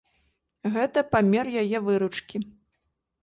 Гэта памер яе выручкі.